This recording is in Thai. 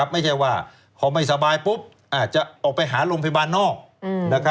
ไม่ใช่ว่าพอไม่สบายปุ๊บจะออกไปหาโรงพยาบาลนอก